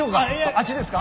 あっちですか？